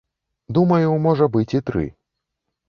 Думаю, можа быць і тры.